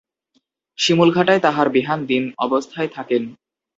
শিমুলঘাটায় তাঁহার বেহান দীন অবস্থায় থাকেন।